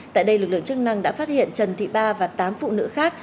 tại đây lực lượng chức năng đã phát hiện trần thị ba và tám phụ nữ khác